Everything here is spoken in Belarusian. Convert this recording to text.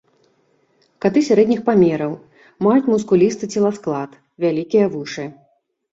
Каты сярэдніх памераў, маюць мускулісты целасклад, вялікія вушы.